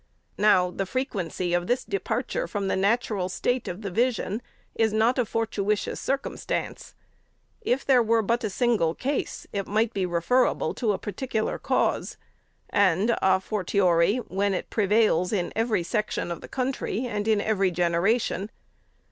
Now, the frequency of this departure from the natural state of the vision is not a fortuitous circumstance ; if there were but a single case, it must be referable to a particular cause ; and. a fortiori, when it prevails in every section of the country, and in every generation.